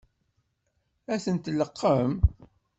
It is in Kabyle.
Ad ten-tleqqem?